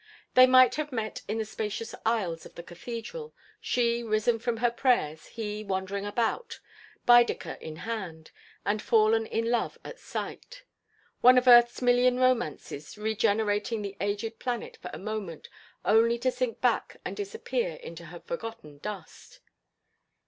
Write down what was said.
They might have met in the spacious aisles of the Cathedral, she risen from her prayers, he wandering about, Baedeker in hand, and fallen in love at sight. One of Earth's million romances, regenerating the aged planet for a moment, only to sink back and disappear into her forgotten dust.